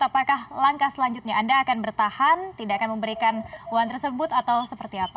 apakah langkah selanjutnya anda akan bertahan tidak akan memberikan uang tersebut atau seperti apa